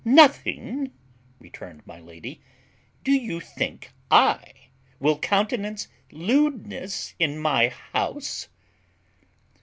"Nothing!" returned my lady; "do you think I will countenance lewdness in my house?"